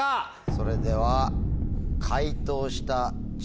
それでは。